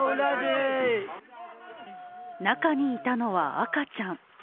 中にいたのは赤ちゃん。